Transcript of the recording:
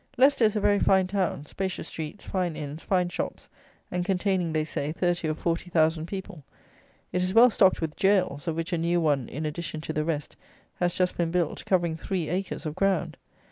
Leicester is a very fine town; spacious streets, fine inns, fine shops, and containing, they say, thirty or forty thousand people. It is well stocked with jails, of which a new one, in addition to the rest, has just been built, covering three acres of ground!